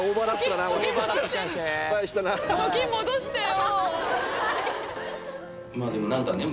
時戻してよ。